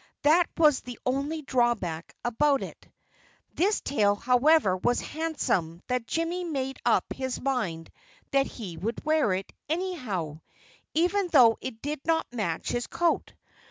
That was the only drawback about it. This tail, however, was so handsome that Jimmy made up his mind that he would wear it, anyhow, even though it did not match his coat.